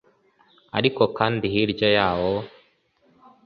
ariko kandi hirya yaho